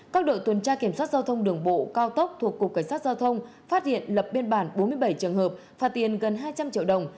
các đội tuần tra kiểm soát giao thông đường bộ cao tốc thuộc cục cảnh sát giao thông phát hiện lập biên bản bốn mươi bảy trường hợp phạt tiền gần hai trăm linh triệu đồng